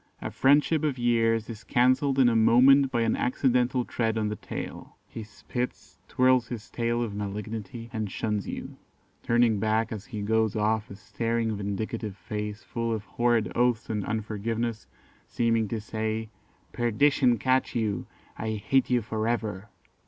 A friendship of years is cancelled in a moment by an accidental tread on the tail. He spits, twirls his tail of malignity, and shuns you, turning back as he goes off a staring vindictive face full of horrid oaths and unforgiveness, seeming to say, 'Perdition catch you! I hate you for ever.